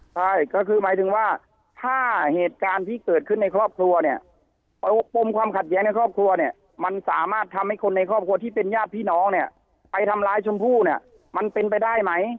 ใช่ก็คือหมายถึงว่าถ้าเหตุการณ์ที่เกิดขึ้นในครอบครัวเนี่ยปมความขัดแย้งในครอบครัวเนี่ยมันสามารถทำให้คนในครอบครัวที่เป็นญาติพี่น้องเนี่ยไปทำร้ายชมพู่เนี่ยมันเป็นไปได้ไหม